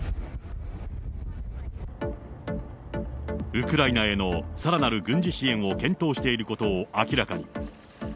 ウクライナへのさらなる軍事支援を検討していることを明らかに。